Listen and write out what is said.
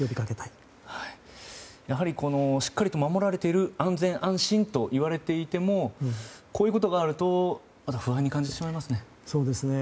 やはりしっかりと守られている安心・安全と言われていてもこういうことがあると不安に感じてしまいますね。